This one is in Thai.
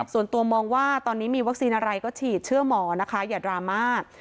ส่วนตัวมองว่าตอนนี้มีวัคซีนอะไรก็ฉีดเชื่อหมอนะคะอย่าดราม่า